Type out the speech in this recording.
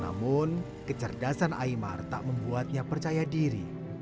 namun kecerdasan aymar tak membuatnya percaya diri